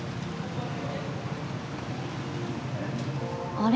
あれ？